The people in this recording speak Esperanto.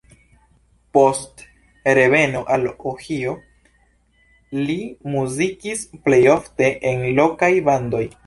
Post reveno al Ohio li muzikis plejofte en lokaj bandoj.